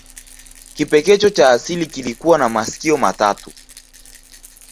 Kipekecho cha asili kilikuwa na masikio matatu